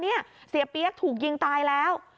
เสียเปี๊ยกถูกยิงตายแล้ว